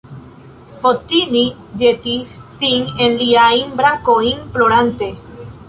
Fotini ĵetis sin en liajn brakojn plorante.